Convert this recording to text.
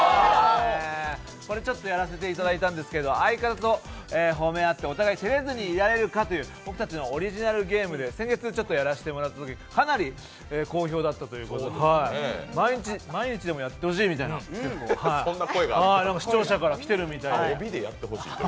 これやらせていただいたんですけど相方と褒め合ってお互いてれずにいられるかっていう僕たちのオリジナルゲームで先月ちょっとやらせてもらったときにかなり好評だったという毎日でもやって欲しいみたいな声が視聴者から来ているみたいで。